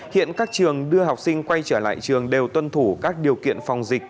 hiện các trường đưa học sinh quay trở lại trường đều tuân thủ các điều kiện phòng dịch